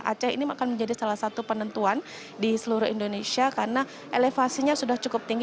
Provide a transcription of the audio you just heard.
aceh ini akan menjadi salah satu penentuan di seluruh indonesia karena elevasinya sudah cukup tinggi